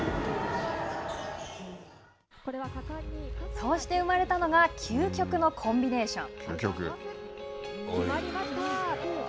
こうして生まれたのが究極のコンビネーション。